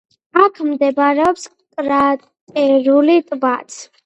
აქ მდებარეობს კრატერული ტბაც.